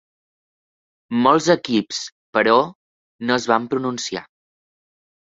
Molts equips, però, no es van pronunciar.